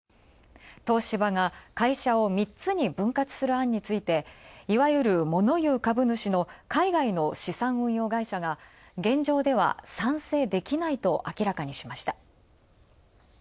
東芝が会社を３つに分割する案についていわゆる物言う株主の海外の資産運用会社が現状では賛成できないと明らかにしました。